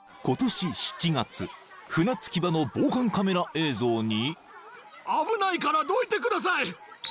［船着き場の防犯カメラ映像に］